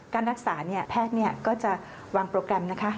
การรักษาแพทย์ก็จะวางโปรแกรมนะคะ